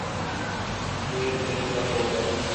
گے، پھر کیا ہو گا؟